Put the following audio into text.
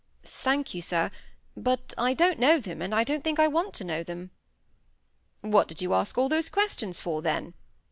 "Thank you, sir. But I don't know them, and I don't think I want to know them." "What did you ask all those questions for, then?"